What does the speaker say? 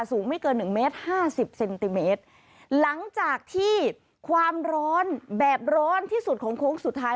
สูงไม่เกินหนึ่งเมตรห้าสิบเซนติเมตรหลังจากที่ความร้อนแบบร้อนที่สุดของโค้งสุดท้าย